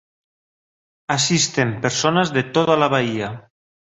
Asisten personas de toda la bahía.